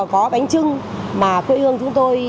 có bánh chưng mà quê hương chúng tôi